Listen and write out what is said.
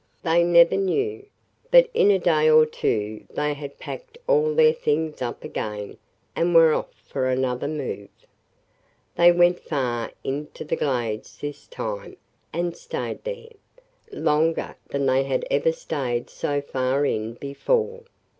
They never knew, but in a day or two they had packed all their things up again and were off for another move. They went far into the Glades this time and stayed there, longer than they had ever stayed so far in before.